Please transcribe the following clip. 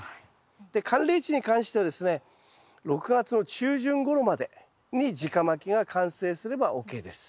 で寒冷地に関してはですね６月の中旬ごろまでに直まきが完成すればＯＫです。